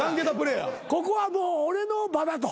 ここはもう俺の場だと。